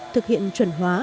thực hiện chuẩn hóa